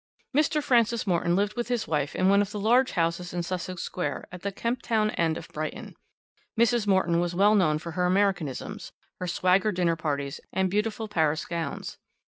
"Mr. Francis Morton lived with his wife in one of the large houses in Sussex Square at the Kemp Town end of Brighton. Mrs. Morton was well known for her Americanisms, her swagger dinner parties, and beautiful Paris gowns.